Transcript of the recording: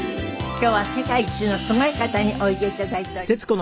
今日は世界一のすごい方においでいただいております。